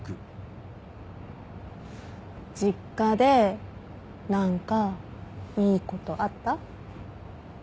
実家で何かいいことあった？